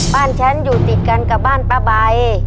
บ้านฉันอยู่ติดกันกับบ้านป้าใบ